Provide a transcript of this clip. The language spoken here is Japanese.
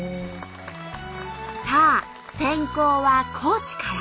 さあ先攻は高知から。